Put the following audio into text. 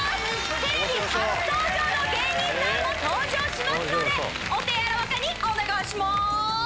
テレビ初登場の芸人さんも登場しますのでお手柔らかにお願いします！